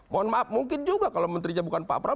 mohon maaf mungkin juga kalau menterinya bukan pak prabowo